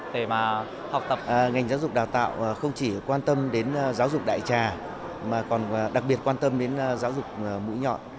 để mà học tập ngành giáo dục đào tạo không chỉ quan tâm đến giáo dục đại trà mà còn đặc biệt quan tâm đến giáo dục mũi nhọn